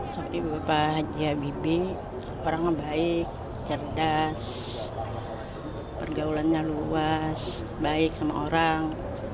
sosok ibu bapak bj habibie orangnya baik cerdas pergaulannya luas baik sama orang